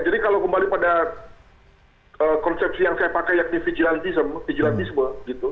jadi kalau kembali pada konsepsi yang saya pakai yakni vigilantisme